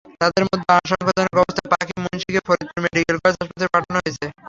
তাঁদের মধ্যে আশঙ্কাজনক অবস্থায় পাখি মুন্সিকে ফরিদপুর মেডিকেল কলেজ হাসপাতালে পাঠানো হয়েছে।